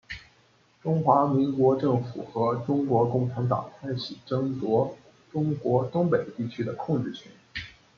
中华民国政府和中国共产党开始争夺中国东北地区的控制权。